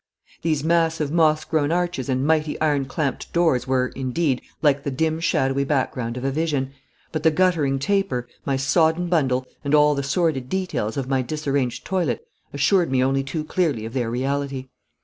These massive moss grown arches and mighty iron clamped doors were, indeed, like the dim shadowy background of a vision; but the guttering taper, my sodden bundle, and all the sordid details of my disarranged toilet assured me only too clearly of their reality.